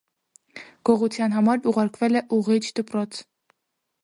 Գողության համար ուղարկվել է ուղղիչ դպրոց։